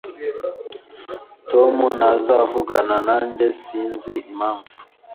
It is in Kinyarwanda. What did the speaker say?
Tom ntazavugana nanjye sinzi impamvu